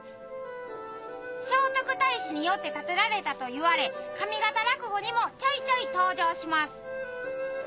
聖徳太子によって建てられたと言われ上方落語にもちょいちょい登場します。